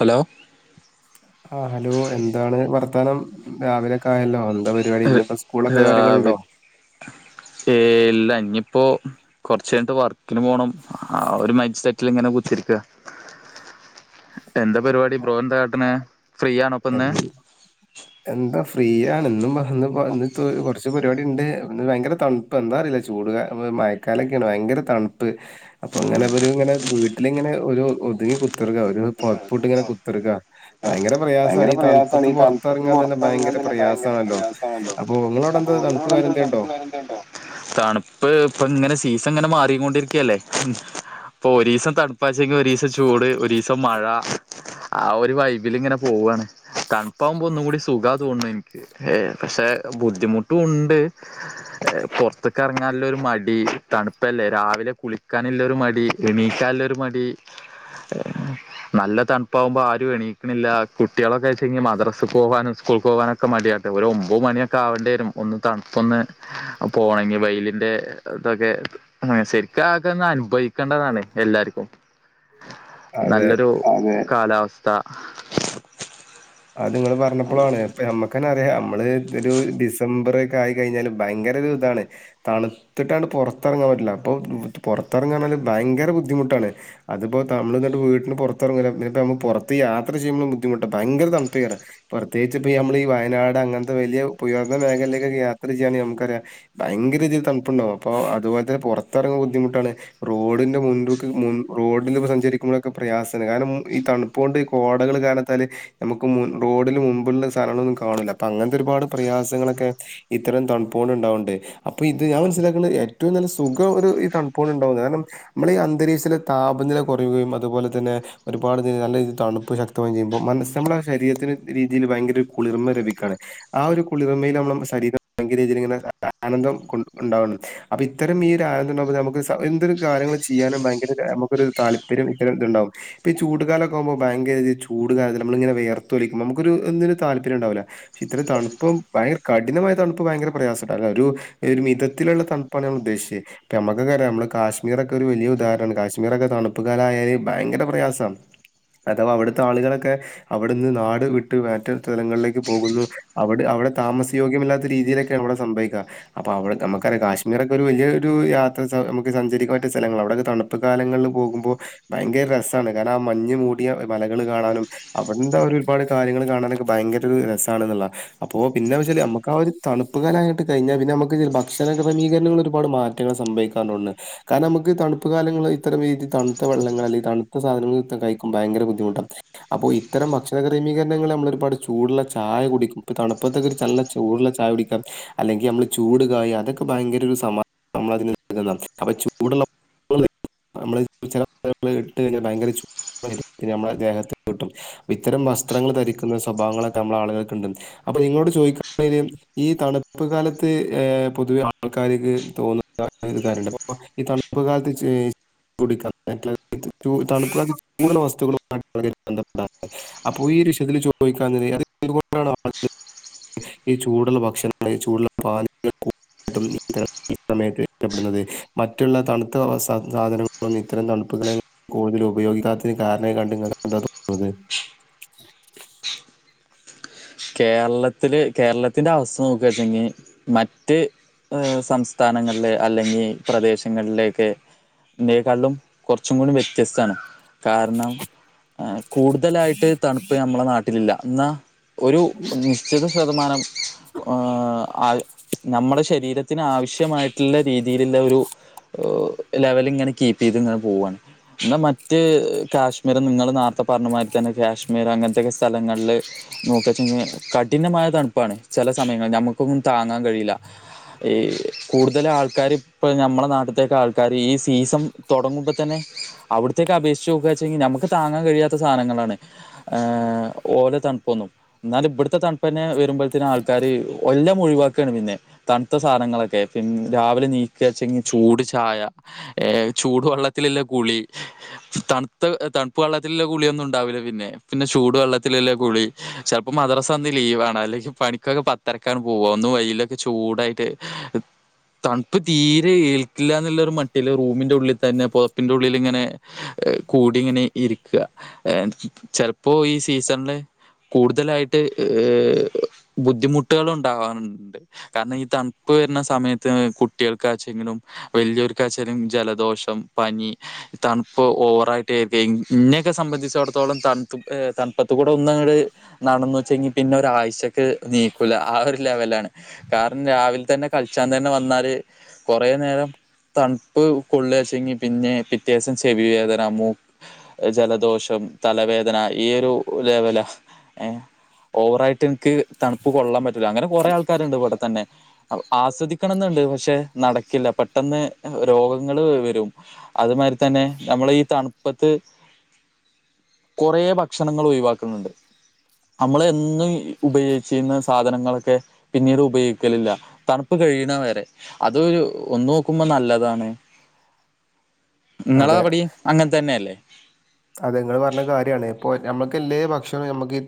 Hello ആ hello എന്താണ് വർത്താനം രാവിലെക്കായല്ലോ ന്താ പരിപാടി ഇന്നിപ്പോ സ്കൂളൊക്കെ കാര്യങ്ങളുണ്ടോ ഏയ് ഇല്ല ഇനിയിപ്പോ കൊറച്ചു കഴഞ്ഞിട്ട് വർക്കിന് പോകണം ആ ഒരു മൈൻഡ്സെറ്റിൽ ഇങ്ങനെ എന്താ പരിപാടി ബ്രോ? എന്താ കാട്ടണേ ഫ്രീ ആണോ ഇപ്പ ഇന്ന് [unintelligible] എന്താ ഫ്രീ ആണ് ഇന്നും കുറച്ച് പരിപാടി ഉണ്ട് ഭയങ്കര തണുപ്പ് എന്താ അറിയില്ല ചൂട് മഴക്കാലൊക്കെയാണ് ഭയങ്കര തണുപ്പ് അപ്പൊ ഉം ഇങ്ങനെ ഇങ്ങനെ വീട്ടിലിങ്ങനെ ഒരു ഒതുങ്ങി കുതിരിക്ക ഒരു കൊടുക്കുക, ഒരു പുതപ്പിട്ട് ഇങ്ങനെ ഔട്ട്പുട്ട് കുത്തിർക്കാ ഭയങ്കര കൊടുക്കുക. ഭയങ്കര ഈ പ്രയാസാണ് തണുപ്പത്ത് ഈ തണുപ്പത്ത് പുറത്തിറങ്ങാൻ തന്നെ പുറത്തിറങ്ങാൻ ഭയങ്കര തന്നെ ഭയങ്കര പ്രയാസമാണല്ലോ പ്രയാസാണല്ലോ അപ്പൊ നിങ്ങളവിടെ എന്താ തണുപ്പ് കാര്യം എന്തേണ്ടോ [unintelligible] തണുപ്പ് ഇപ്പോ ഇങ്ങനെ സീസൺ ഇങ്ങനെ മാറിക്കൊണ്ടിരിക്കല്ലേ. അപ്പൊ ഒരീസം തണുപ്പാചെങ്കിൽ ഒരീസം ചൂട് ഒരീസം മഴ ആ ഒരു വൈബിലിങനെ പോവാണ്. തണുപ്പാവുമ്പോ ഒന്നും കൂടി സുഖാ തോന്നുന്നു എനിക്ക് ഏ പക്ഷെ ബുദ്ധിമുട്ടും ഉണ്ട്. പുറത്ത്ക്ക് ഇറങ്ങാനുള്ള ഒരു മടി തണുപ്പല്ലേ രാവിലെ കുളിക്കാനിള്ള ഒരു മടി എണീ [unintelligible] മടി നല്ല തണുപ്പാവുമ്പോ ആരും എണീക്കണില്ല കു കുട്ടികളൊക്കെ [unintelligible] മദ്രസ് പോകാനും സ്കൂൾ പോകാനൊക്കെ [unintelligible] ഒരു ഒമ്പത് മണിയൊക്കെ ആകണ്ടേരും ഒന്ന് തണുപ്പൊന്ന് പോണെങ്കി വൈലിന്റെ ഇതൊക്കെ അ ശരിക്ക [unintelligible] അനുഭവിക്കേണ്ടതാണ്. എല്ലാർക്കും അതെ നല്ലൊരു കാലാവസ്ഥ. അത് നിങ്ങള് പറഞ്ഞപ്പോളാണ് ഇപ്പ നമ്മക്കന്നെ അറിയാം [unintelligible] ഒരു ഡിസംബർ ഒക്കെ ആയിക്കഴിഞ്ഞാൽ ഭയങ്കര ഒരു ഇതാണ് തണുത്തിട്ടണ് പുറത്തിറങ്ങാൻ [unintelligible] അപ്പോ പുറത്തിറങ്ങാന്നാല് ഭയങ്കര ബുദ്ധിമുട്ടാണ് അതിപ്പോ [unintelligible] വീട്ടീന് പുറത്തിറങൂല ഇപ്പൊ പുറത്ത് യാത്ര ചെയ്യുമ്പോളും ബുദ്ധിമുട്ടാ ഭയങ്കര [unintelligible] പ്രത്യേകിച് ഇപ്പോ നമ്മൾ ഈ വയനാട് അങ്ങനത്തെ വലിയ ഉയർന്ന മേഖലയിലെക്കൊക്കെ യാത്ര ചെയ്യാനെങ്കി ഭയങ്കര രീതിൽ തണുപ്പുണ്ടാകും അപ്പോ അതുപോലെ തന്നെ പുറത്തിറങ്ങാൻ ബുദ്ധിമുട്ടാണ് റോഡിന്റെ [unintelligible] മു റോഡിൽ ഇപ്പൊ സഞ്ചരിക്കുമ്പോഴൊക്കെ പ്രയാസാണ് കാരണം ഈ തണുപ്പോണ്ട് ഈ കോടകള് കാരണത്താല് നമുക്ക് റോഡന് മുമ്പിലുള്ള സാധങ്ങളൊന്നും കാണില്ല അപ്പൊ അങ്ങനത്തെ ഒരുപാട് പ്രയാസങ്ങളൊക്കെ ഇത്തരം തണുപ്പ് ണ്ട്ണ്ടാവ്ണ്ട് അപ്പോ ഇത് ഞാൻ മനസിലാക്കുന്നത് ഏറ്റവും നല്ല സുഖം ഒരു ഈ തണുപ്പോണ്ട് ഉണ്ടാവും കാരണം നമ്മളെ ഈ - അന്തരീക്ഷത്തിലെ താപനില കുറയുകയും അതുപോലെ തന്നെ ഒരുപാട് ന നല്ല രീതിൽ തണുപ്പ് ശക്തമായും ചെയ്യുമ്പം മനസ്സ് നമ്മളെ ശരീരത്തിന് രീതിയിൽ ഭയങ്കര കുളിർമ ലഭിക്കാണ് ആ ഒരു കുളിർമയിൽ നമ്മളെ ശരീരം ഭയ [unintelligible] ങ്കര ആനന്ദം കൊ ഉണ്ടാവ്ണ്ട് അപ്പൊ ഇത്തരം ഈ ഒരു ആനന്ദം ഉണ്ടാവുമ്പോ നമുക്ക് എന്തരു കാര്യങ്ങൾ ചെയ്യാനും ഭയങ്കര ഒരു നമ്മക്കൊരു താല്പര്യം ഇത്തരത്തിൽ ഇണ്ടാവും ഇപ്പോ ഈ ചൂട്കാലൊക്കെ ആവുമ്പോ ഭയങ്കര ഒര് ചൂട് നമ്മള ഇങ്ങന വിയർത്തോലിക്കുമ്പൊ നമുക്കൊരു ന്തിനും താല്പര്യണ്ടാവൂല ക്ഷെ ഇത്ര തണുപ്പും ഭയങ്കര കഠിനമായ തണുപ്പ് ഭയങ്കര - ഒരു പ്രയാസമുണ്ടവൂല ഒരു മി ത ത്തിലുള്ളതണുപ്പാണ് നമ്മളുദേശിച്ചേ ഇപ്പൊ നമ്മക്കൊക്കെ അറിയാ നമ്മള് കാശ്മീറൊക്കെ ഒരു വലി വല്യ ഉദാഹരണാണ് കാശ്മീറൊക്കെ തണുപ്പ് കാലായാല് ഭയങ്കര പ്രയാസാണ് അഥവാ അവിടുത്തെ ആളുകളൊക്കെ അവിടെന്ന് നാട് വിട്ട് മറ്റ് സ്ഥലങ്ങളിലേക്ക് പോകുന്നു അവിടെ അവിടെ താമസ യോഗ്യമല്ലാത്ത രീതിയിലൊക്കെ സംഭവിക്ക അപ്പോ അവിടെ നമ്മക്കറിയാം കാശ്മീറൊക്കെ ഒരു വല്യ ഒരു യാത്ര സഞ്ചരിക്കൻ പറ്റിയ സ്ഥലങ്ങളാ അവിടെ തണുപ്പ് കാലങ്ങളിൽ പോകുമ്പോ ഭയങ്കര രസാണ് കാരണം ആ മഞ്ഞ് മൂടിയ മലകള് കാണാനും അവിടുണ്ടായ ഒരുപാട് കാര്യങ്ങള് കാണാനൊക്കെ ഭയങ്കര ഒരു രസമാണ്ന്നുള്ളാണ് അപ്പോ പിന്നെ വെച്ചാല് നമുക്ക് ആ ഒരു തണുപ്പ് പ്പ് കലായിട്ട് കഴിഞ്ഞാ പിന്നെ നമ്മക്ക് ഭക്ഷണ ക്രമീകരണളിൽഒരുപാട് മാറ്റങ്ങൾ സംഭവിക്കാറുണ്ട് കാരണം നമുക്ക് തണു തണുപ്പ് കാലങ്ങൾ ഇത്തരം രീതിയിൽ തണുത്ത വെള്ളങ്ങൾ അല്ലെങ്കിൽ തണുത്ത സാധനങ്ങൾ കഴിക്കുമ്പോ ഭയങ്കര ബുദ്ധിമുട്ടാണ് അപ്പോ ഇത്തരം ഭക്ഷണ ക്രമീകരണങ്ങള് നമ്മളൊരുപാട് ചൂടുള്ള ചായ കുടിക്കും ഇപ്പൊ തണുപ്പത്തൊക്കെ ഒരു നല്ല ചൂടുള്ള ചായ കുടിക്കാം അല്ലെങ്കിൽ നമ്മള് ചൂട് കായ അതൊക്കെ ഭയങ്കര ഒരു സമാ നമ്മളതിന് അപ്പൊ ചൂടുള്ള നമ്മള് ചില [unintelligible] ഇട്ട് കഴിഞ്ഞാ ഭയങ്കര ചൂടായിരിക്കും നമ്മടെ ദേഹത്ത് ഇത്തരം വസ്ത്രങ്ങൾ ധരിക്കുന്ന സ്വഭാവങ്ങളൊക്കെ നമ്മളെ ആളുകൾക്കുണ്ട് അപ്പൊ നിങ്ങോട് ചോദിക്കയാണെങ്കിൽ- ഈ തണുപ്പ് കാലത്ത് ഏ പൊതുവെ ആൾക്കാർക്ക് തോന്നുന്ന ഒരു കാര്യണ്ട് ഇപ്പോ ഈ തണുപ്പ് കാലത്ത് ടി [unintelligible] കുടിക്കണം ത [unintelligible] ണുപ്പ് കാലത്ത് ചൂടുള്ള വസ്തുക്കൾ [unintelligible] [unintelligible] അപ്പൊ ഈ ഒരു വിഷയത്തിൽ ചോദിക്കാനുള്ളത് അത് എന്തുകൊണ്ടാണ് ആളുകൾ ഈ ചൂടുള്ള ഭക്ഷണങ്ങൾ ചൂടുള്ള പാല് സമയത്ത് ഇഷ്ട്ടപ്പെടുന്നത് മറ്റുള്ള തണുത്ത സാധനങ്ങളും ഇത്തരം തണുപ്പ്കളെയും കൂടുതലും ഉപയോഗിക്കാത്തതിന് കാരണായി കണ്ട് ഇങ്ങക്കെന്താ തോന്നുന്നത് കേരളത്തില് കേരളത്തിന്റെ അവസ്ഥ നോക്കച്ചെങ്കിൽ മറ്റ് ഏ സംസ്ഥാനങ്ങളിലെ അല്ലെങ്കി പ്രദേശങ്ങളിലെക്കെ ന്നെക്കാളും കോർച്ചും കൂടി വ്യത്യസ്താണ് കാരണം കൂടുതലായിട്ട് തണുപ്പ് നമ്മളെ നാട്ടിലില്ല എന്നാ ഒരു നിശ്ചിത ശതമാനം ആ അയ് നമ്മുടെ ശരീരത്തിന് ആവശ്യമായിട്ട്ള്ള രീതിയിലുള്ള ഒരു ഓ ലെവലിങ്ങനെ കീപ്പയ്ത് ഇങ്ങനെ പോവാണ് എന്നാ മറ്റ് കാശ്മീർ നിങ്ങൾ നേറ്താ പറഞ്ഞമാരി തന്നെ കാശ്മീർ അങ്ങനത്തെ ക്കെ സ്ഥലങ്ങളില് നോക്കച്ച ഞെ കഠിനമായ തണുപ്പാണ് ചില സമയങ്ങളിൽ നമുക്കൊന്നും താങ്ങാൻ കൈയ്യില ഈ കൂടുതൽ ആൾക്കാര് ഇപ്പൊ നമ്മളെ നാട്ട്ത്തേക്കെ ആൾക്കാര് ഈ സീസൺ തുടങ്ങുമ്പോ തന്നെ അവിടത്തോക്കെ അപേക്ഷിച്ച് നോക്കുകാച്ചങ്കി നമുക്ക് താങ്ങാൻ കഴിയാത്ത സാധനങ്ങളാണ് ഏ ഓല തണു പ്പൊന്നും എന്നാൽ ഇബടത്തെ തണുപ്പെന്നെ വരുമ്പത്തിന് ആൾക്കാാര് എല്ലം ഓയിവാക്കാന് പിന്നെ തണുത്ത സാധന- ങ്ങളക്കെ പിന് രാവിലെ നീക്കചെങ്കി ചൂട് ചായ ഏ ചൂട് വെള്ളത്തിലള്ള കുളി തണുത്ത തണുപ്പ് വെള്ളത്തിലുള്ള കുളിയൊന്നും ഉണ്ടാവില്ല പിന്നെ പിന്നെ ചൂട് വെള്ളത്തിലില്ല കുളി ചെലപ്പോ മദ്രാസ അന്ന് ലീവാണ് അല്ലെങ്കിൽ പണിക്കൊക്കെ പത്തരക്കാണ് പോവാ അന്ന് വെയിലൊക്കെ ചൂടായിട്ട് [inaudible] തണുപ്പ് തീരെ ഏൽക്കില്ല എന്നുള്ളരു മട്ടില് റൂമിന്റെ ഉള്ളിൽ തന്നെ പുതപ്പിന്റെ ഉള്ളിലിങ്ങനെ കൂടി ഇങ്ങനെ ഇരിക്കാ ചെൽപ്പോ ഈ സീസൺ ല് കൂടുതലായിട്ട് ഏ എ ബുദ്ധിമുട്ടുകൾ ഉണ്ടാവാറുണ്ട് കാരണം ഈ തണു പ്പ് വരുന്ന സമയത്ത് ഏ കുട്ടിയൾക്കാച്ചെങ്കിലും വല്ല്യോർക്കാച്ചാലും ജലദോഷം പനി തണുപ്പ് ഓവറായിട്ട് ഏതെ ഇന്നൊക്കെ സംബന്ധിച്ചെടുത്തോളം തണുത് ഏ തണുപ്പത്തുകൂടെ ഒരാഴ്ചക്ക് നീക്കൂല ആ ഒരു ലെവലാണ് കാരണം രാവിലെ തന്നെ കളിച്ചാൻ തന്നെ വന്നാല് കൊറേ നേരം തണുപ്പ് കൊള്ളാച്ചെങ്കി പിന്നെ പിറ്റേസം ചെവി വേദന മൂ ജലദോഷം തലവേദന ഈയ ഒരു ലെവല ഏ ഓവറ ആായിട്ട് എനിക്ക് തണുപ്പ് കൊള്ളാൻ പറ്റില്ല അങ്ങനെ കൊറെ ആൾക്കാരുണ്ട് ഇവിടെ തന്നെ ആസ്വദിക്കണംന്ന പക്ഷെ നടക്കില്ല പെട്ടെന്ന് രോഗങ്ങ വരും അതു മാ തന്നെ നമ്മൾ ഈ തണുപ്പത്ത് കുറ ഭക്ഷണങ്ങൾ ഒഴിവാക്കുന്നുണ്ട് നമ്മൾ എന്നും ഉപയോഗിച്ച ചെയുന്ന സാധനങ്ങളൊക്കെ പിന്നീട് ഉപയോഗിക്കലില്ല തണുപ്പ് ക കഴണ വരെ അത് ഒന്ന് നോക്കുമ്പോ നല്ലതാണ് നിങ്ങള അവിടി അങ്ങന തന്നെയ അല്ലേ അത നിങ്ങള് പറഞ്ഞ കാര്യമാണ് ഇപ്പൊഞമ്മുക്ക് എല്ലേ ഭക്ഷണം നമുക്ക്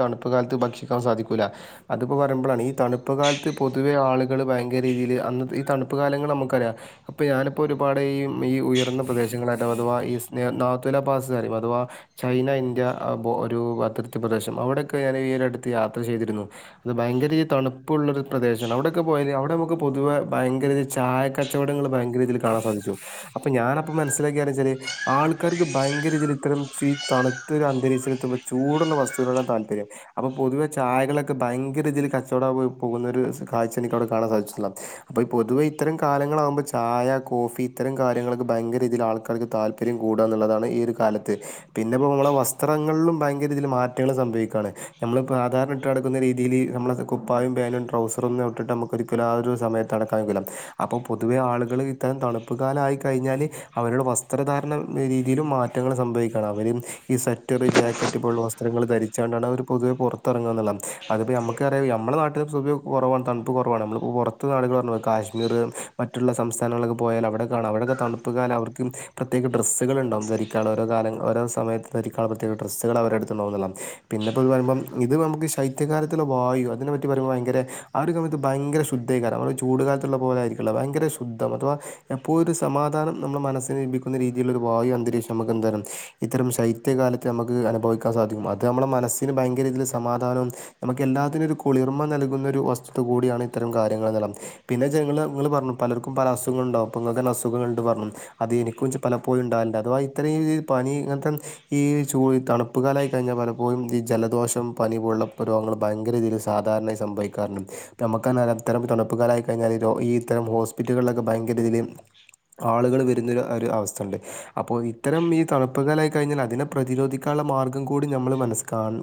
തണുപ്പ് കാലത്ത് ഭക്ഷിക്കാൻ സാധിക്കൂല്ല അപ്പോ പറയുമ്പോാണ് ഈ തണപ്പ കാലത്ത് പൊതുവെ ആളുകൾ ഭയങ്കരീതിൽ ഈ തണുപ്പ് ക അപ്പൊ ഞാനിപ്പോ ഒരുപാട് ഈ ഉയർന്ന പ്രദേശങ്ങള അല്ല അഥവാ ഈ നാലാ അഥവാ ചൈന ഇന്ത്യ ഒരു അതിർത്തി പ്രദേശം അവിടെക്കെ ഞാൻ ഈ ഒരു അടുത്ത് യാത്ര ചെയ്തി അത് ഭയങ്കര തണുപ്പള്ള പ്രദേശ അവിടെക്കെ പോയ അവിടെ നമു പൊതുവെ ഭയര ചായ കച്ചടങ്ങൾ ഭയങ്കര രീതി കാണാൻ സാധിച്ചു അപ്പൊ ഞാന മനസിലാക്കാല് ആൾക്കാർക്ക് ഈ തണുത്ത അന്തരീത്തുമ്പോ ചൂടുള്ള വസ്തു താല്പര്യംവെ ചായ കകൊക്കെ ഭയരീതിയിൽ കച്ചവടം പോകുന്നൊരു കാഴ്ച എനിക്ക്ടെ കാണാൻ സാധിട്ടില്ല അപ്പൊ പൊതുവെ ഇത്തരം കാലങ്ങളാകുമ്പോൾ ചായ കോഫി ഇത്തരം കാര്യങ്ങൾക്ക് ഭയങ്കര രീതിയിൽ ആൾക്കാക്ക് താല്പര്യം കൂടുക എന്നുള്ളതാണ് ഈ ഒരു കാലത്ത് പിന്നെ ഇപ്പോ നമ്മളെ വസ്ത്രങ്ങളിലും ഭയങ്കര രീതിയിൽ മാറ്റങ്ങൾ സംഭവിക്കുവാണ് നമ്മള സധാരണ നടുന്ന രീതിൽ നമ്മ കുപ്പായും പേനും ട്രൗസറ ഒന്നും ഇട്ടിട്ട് നമുരിക്കല ഒരു സമയത്ത് അടക്കാ പൊതുവെ ആളുകൾ ഇത്തരം തണുപ്പ് കാലയി കഴിഞ്ഞാൽ അവരുടെ വസ്ത്രധാരണ രീതിയില മാറ്റ റ്റൾ സംഭവിക്കാണ് അവര്ും ഈ സവെറ്ററ് ജാക്കറ്റ് പോലുള്ള വസ്ത്രങ്ങൾ ധച്ചുക കൊണ്ടാണ് അവർ പൊതുവെ പുറത്തിറങ്ങുക എന്നുള്ളത് അതിപ്പോം നമുക്കറിയാം നമ്മുടെ നാട്ടിൽ സു കുറവാണ് തണു് കുറവാണ് നമ്മളിപ്പോ പുറത്തെ നാകൾ പറ പോ കാശ്മീർ മറ്റുള്ള സംസ്ഥാനങ്ങളൊക്കെ പോയാൽ അവിടെ കാണ അവിടെയൊക്കെ തണുപ്പുകാൻ അവർക്ക് പ്രത്യേക ഡ്രസ്സുകൾ ഉണ്ടാവുംരിക്കും ഓോ ക രോ സമയരിക്ക പ്രത്യേക ഡ്രസ്സുക അവടെടുത്ത്ണ്ടോത പിന്നെ പറയ്പോ ഇത്മു ശൈത്യകാലത്തിലുള്ളായു അതിനെ പറ്റി പറരുപോൾ ഭയങ്കര ആ ഒരു കമയത്ത് ഭയങ്കര ശുദ്ധീകരം ഒരു ചൂട് കാലത്തുള്ള പോലൊയി ഭയങ്കര ശുദ്ധം അഥവാ എപ്പോഴ ഒരു സമാധാനം നമ്മുടെ മനസ്സിന് ലഭിക്കുന്ന രീതിയിലുള്ള ഒരു വായു അന്തരീക്ഷ നമുക്ക് എന്ത ഇത്തരം ശൈത്യകാലത്ത് നമുക്ക് അനുഭവിക്കാൻ സാധിക്കും അത് നമ്മുടെ മനസിന് ഭയങ്കരീതിൽ സമാധാനം നമുക്ക് എല്ലാത്തിനും ഒരു കുളിർമ നൽകുന്ന ഒരു വസ്തു കൂടിയാണ് ഇത്തരം കാര്യങ്ങൾ പിന്നെ ജങ്ങള് നിങ്ങള് പറഞ്ഞു പലർക്കും പല അസുഖങ്ങള ഉണ്ടാവും അപ്പോ നിങ്ങ അസുഖൾണ്ട് പറഞ്ഞു അത് എനിക്ക പല പോും ഉണ്ടാവില്ല അ അത്ത പനി ഇങ്ങനത്തെ ഈ ചൂ തണുപ്പുകാലായി കഴിഞ്ഞാൽ പലപ്പോഴും ഈ ജലദോഷം പനി പോ രോഗങ്ങൾ ഭയങ്കര രീതിൽ സാധാരണായി സംഭവിക്കാറുണ്ട് നമുരം തണുപ്പുകാലായി കഴിഞ്ഞാൽ ഈ ഇത്തരം ഹോസ്പിറ്റലുകളിലൊക്കെ ഭയങ്കര രീതിയിൽ ആളുകൾ വരുന്ന ഒരു അവസ്ഥ ഉണ്ട് അപ്പോൾ ഇത്തരം ഈ തണുപ്പുകലായി കഴിഞ്ഞാൽ അതിനെ പ്രതിരധിക്കാനുള്ള മാർഗം കൂടി നമ്മള് മന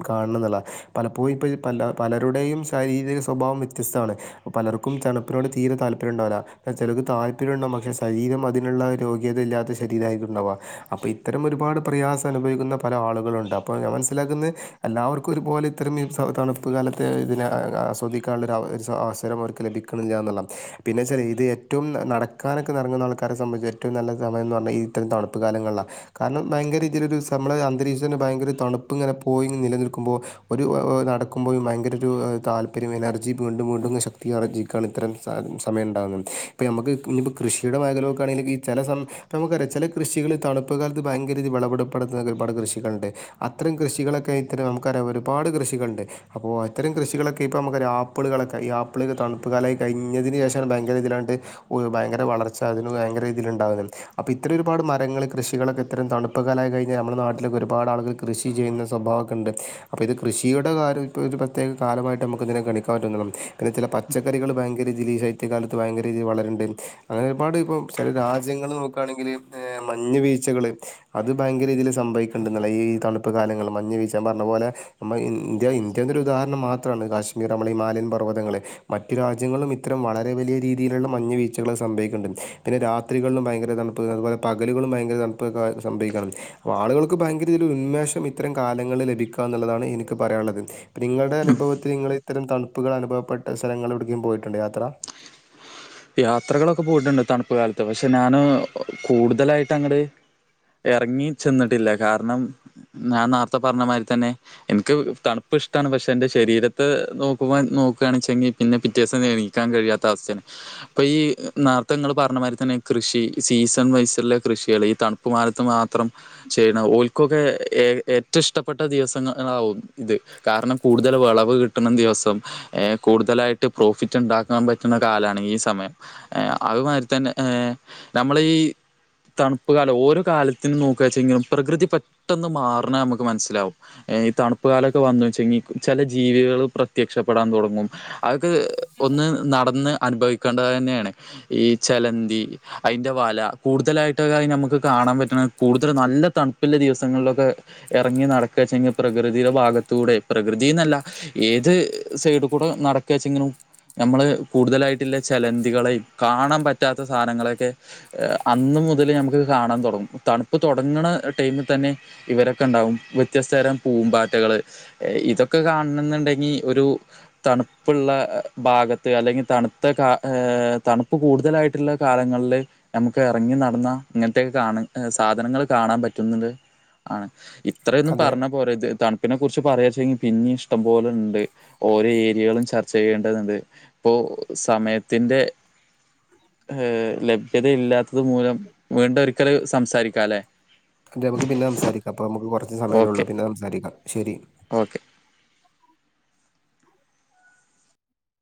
കാണത പലപ്പോഴും ഇപ്പോൾ പല പലരുടെയും ശാരീരിക സ്വഭാവം വ്യത്യസ്തമാണ് അപ്പോൾ പലർക്കും തണുപ്പിനോട് തീരെ താല്പര്യം താര്ണ്ടാവകില്ല ചിലക്ക് താല്പര്യംണ്ടും പക്ഷെ ശരം അതിനുള്ള രോഗതയില്ലാത്ത ശരീരമായിട്ടുണ്ടാകുക അപ്പോം ഇത്തരം ഒരുപാട് പ്രയാസം അനുഭവിക്കുന്ന പല ആളുകളുംണ്ട് അപ്പോ ഞാൻ മനസിലാക്കുന്നത് എല്ലാവർക്കും ഒരുപോലെ ഇത്തരംഈ തണുപ്പ് കാല ഇ ആസ്വദിക്കാനുള്ള അവസരം അവർക്ക് ലഭിക്ക്ണില്ലാ എന്നാം പിന്നെ ഇത് ഏറ്റവും നടക്കാനൊക്കെ നിറങ്ങുന്ന ആൾക്കാര സംബന്ധച്ച് ഏറ്റവും നല്ല സമയംന്ന് പറഞ്ഞാൽ ഇരം തണുപ്പ് കാലങ്ങളിലാണ് കാരണം ഭയങ്കര ഇതിരുമ്മളെ അന്തരീക്ഷത്തിന്റെ ഭയങ്കര തണുപ്പ് ഇങ്ങനെ പോയി നിലനിൽക്കുമ്പോൾ ഒരു ഇപ്പോൾ നടക്കുമ്പോഴും ഭയങ്കര ഒരു താല്പര്യം എനർജി വീണ്ടും വീണ്ടും ശക്തി ആർജിക്കുകാണ് ഇത്തരം സമയം ഇപ്പ നമുക്ക് ഇനിപ്പ കൃഷിയ മേഖല നോക്ക ആണെങ്കിൽ ചചെല കൃഷികൾ തണു ഇ കാലത്ത് ഭയങ്കരരീതി വിളവിടുപ്പെടുത്തുന്ന ഒരുപാട് കൃഷികളുണ്ട് അത്തരം കൃഷികളൊക്കെ നമു ഒരുപാട് കൃ ഷികുണ്ട് അപ്പോ അത്തരം കൃഷികളൊക്കെ ഇപ്പ നമ ആപ്പികളൊക്കെ ആപ്പിള് തണുപ്പുകാലായി കഴിഞ്ഞതിനന് ശേഷം ഭയങ്കര രതി ഭയങ്കര വളർച്ച അതിന് ഭയങ്കരീതിൽ ഉണ്ടാവും അപ്പൊ ഇത്ര ഒരുപാട് മരങ്ങൾ കൃഷ കൃഷികളൊക്കെ ഇത്തം തണുപ്പ് കാലായി കഴഞ്ഞാൽ നമ്മുടെ നാട്ടിലൊക്കെ ഒരുപാട് ആളുകൾ കൃ ചെയ്യുന്ന സ്വാവംക്ക ഉണ്ട് അപ്പോ ഇത് കൃഷി ഇടെ കാലം ഇ ഒരു പ്രത്യേക കാലമായിട്ട് നമുക്ക് ഇതിനെണിക്കാൻ തോന്നണം പിന്നെ ചെല പച്ചക്കറികൾ ഭയങ്കര തിൽഈ ശൈത്യകാലത്ത് ഭയങ്കരീതിൽ വളരുണ്ട് അങ്ങനെ ഒരുപാട് ഇപ്പ ചില രാജ്യത്തൾ നോക്കയാണെങ്കിൽ മഞ്ഞ് വീഴ് വീച്ചകള് അത് ഭയങ്കരീതിയില് സംഭവിക്കുന്നുണ്ടെന്നല്ല ഈ തണുപ്പ് കാലങ്ങൾ മഞ്ഞ് വീഴച്ച പറഞ്ഞ പോലെ നമ്മ ഇന്ത്യ ഇന്ത്യ ഒരു ഉദാഹരണം മാത്രമാണ് കാശ്മീർ നമ്മൾ ഹിമാലയൻ പർവ്വതങ്ങള മറ്റ് രാജ്യങ്ങളും ഇത്തരം വളരെ വലിയ രീതിയിലുള്ള മഞ്ഞ് വീഴ്ച്ചകൾ സംഭവിക്കുന്നുണ്ട് പിന്നെ രാത്രിളിലും ഭയങ്കര തണുപ്പ് അതുപോലെ പകലുകളും ഭയങ്കര തണുപ്പ് സംഭവിക്കണം ആളുകൾക്ക് ഭയങ്കര ഇ ഉന്മേഷം ഇത്തരം കാലങ്ങളിൽ ലഭിക്കുക എന്നുള്ളതാണ് എനിക്ക് പറയുള്ള യാള്ളത് നിങ്ങളുടെ അനുഭവത്തിൽ നിങ്ങള് ഇത്തരം തണുപ്പുകൾ അനുഭവപ്പെട്ട സ്ഥലങ്ങളൾ എവിടക്കും പോയിട്ടുണ്ട് യാത്ര യാത്രകളൊക്കെ പോയിട്ടുണ്ട് തണുപ്പ് കാലത്ത് പക്ഷെ ഞാന് കൂടുതലായിട്ട് അങ്ങടെ ഇറങ്ങി ചെന്നിട്ടില്ല കാരണം ഞാൻ നേർത്തെ പറഞ്ഞ മാതിരി തന്നെ എനിക്ക് തണുപ്പ് ഇപ്പോൾ ഇഷ്ട പക്ഷേ എൻ്റെ ശരീരത്ത് നോക്കുവാൻ നോകയാണെങ്കി പിന്നെ പിറ്റേിവസം നീക്കാൻ കഴിയാത്ത അവസ്ഥനെ ഇപ്പൊ ഈ നേരത്തെ ങ്ങള് പറഞ്ഞമാതിരി തന്നെ കൃഷി സീസൺ വൈസണിലെ കൃഷികള് ഈ തണുപ്പ് മാ മാത്രം ചെയ്യുന്ന ഓൽക്കൊക്കെ ഏ ഏറ്റവും ഇഷ്ടപ്പെട്ട ദിവസങ്ങളാവും ഇത് കാരണം കൂടുതൽ വിളവ് കിട്ടണം ദിവസം ഏ കൂടുതലായിട്ട് പ്രോഫിറ്റ് ഉണ്ടാക്കാൻ പറ്റണ കാലാണ് ഈ സമയം അതുമാതിരി തന്നെ ഏർ നമ്മള ഈ തണുപ്പ് കാലം ഓരോ കാലത്തിനും നോക്കുകയാെച്ചെങ്കിലും പ്രകൃതി പെട്ടെന്ന് മാറണ നമുക്ക് മനസ്സിലാവും ഈ തണുപ്പ് കാലൊക്കെ വന്ന് വച്ചെങ്കിൽ ചില ജീവികൾ പ്രത്യക്ഷപ്പെടാൻ തുടങ്ങും ഒന്ന് നടന്ന് അനുഭവിക്കേണ്ടത് തന്നെയാണ് ഈ വെലന്തി അതിന്റെ വല കൂടുതലായിട്ട് നമുക്ക് കാ കാണാപൈറ്റ്ണ കൂടുതൽ നല്ല തണുപ്പ് ഉള്ള ദിവസങ്ങളിലൊക്കെ ഇറങ്ങി നടക്കാച്ച പ്രകൃതി ടെ ഭാഗത്ത് ഭാഗത്ത പ്രകൃതിന്നല്ല ഏത് സൈഡ് കൂടെ നടക്കച്ചെങ്ങും നമ്മള് കൂടുതലായിട്ട് ചെലന്തികളെ കാണാൻ പറ്റാത്ത സാധനങ്ങളെയൊക്കെ അന്ന് മുതൽ നമുക്ക് കാണാൻ തുടങ്ങും തണുപ്പ് തുൊടങ്ങണ ടൈമിൽ തന്നെ ഇവരൊക്കെ ഉണ്ടാവും വ്യത്യസ്ത തരം പൂമ്പാറ്റകള് ഇതൊക്കെ കാണണം എന്നുണ്ടെങ്കിൽ ഒരു തണുപ്പുള്ള ഭാഗത്ത് അല്ലെങ്കിൽ തണു ഇന്നത്തെ കാ്ലത്ത് തണുപ്പ് കൂടുതലായിട്ടുള്ള കാലങ്ങളിൽ നമുക്ക് ഇറങ്ങി നടന്ന ഇങ്ങനത്തെെയൊക്കെ കാണാം സാധനങ്ങൾ കാണാൻ പറ്റുന്നുണ്ട് ആണ് ഇത്രയൊന്നും അതെ പറഞ്ഞ പോലെ ഇത് ത തിന്നെ കുറിച്ച് പറയാെച്ചെങ്കിൽ പിന്നെ ഇഷ്ടംപോലെ ഉണ്ട് ഓരോ ഏരിയകളും ചർച്ച ചെയ്യേണ്ടതുണ്ട് ഇപ്പൊ സമയത്തിൻ്റെ ഏ ലഭ്യതയില്ലാത്തത് മൂലം വീണ്ടും ഒരിക്കൽ സംസാരിക്കാംല്ലെ അ നമുക്ക് പിന്നെ സംസാരിക്കാം അപ്പൊ നമുക്ക് കുറച്ച് സമയല്ലുള്ളൂ ഓക്കെ പിന്നെ സംസാരിക്കാം ശരി ഓക്കെ